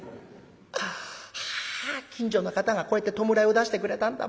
あ近所の方がこうやって弔いを出してくれたんだ。